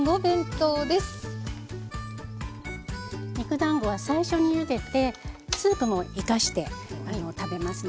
肉だんごは最初にゆでてスープも生かして食べますね。